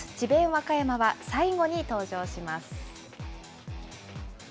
和歌山は、最後に登場します。